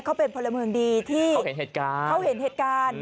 เขาเป็นพลเมืองดีที่เขาเห็นเหตุการณ์